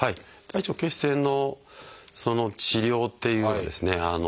大腸憩室炎の治療っていうのはですね